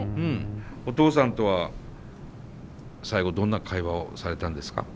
お父さんとは最期どんな会話をされたんですか？